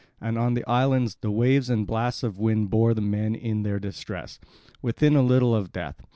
And on to the island the waves and the blasts of wind bore the men in their distress, within a little of death.